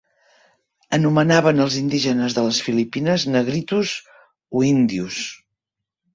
Anomenaven els indígenes de les Filipines "negritos" o "indios".